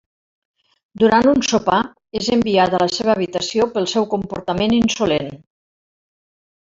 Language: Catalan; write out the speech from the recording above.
Durant un sopar, és enviada a la seva habitació pel seu comportament insolent.